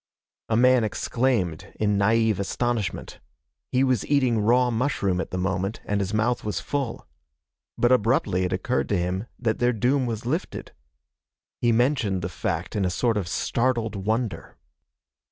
A man exclaimed in naïve astonishment. He was eating raw mushroom at the moment, and his mouth was full. But abruptly it occurred to him that their doom was lifted. He mentioned the fact in a sort of startled wonder.